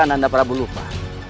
apakah anda prabu lupa